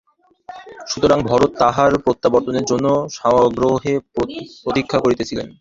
সুতরাং ভরত তাঁহার প্রত্যাবর্তনের জন্য সাগ্রহে প্রতীক্ষা করিতেছিলেন।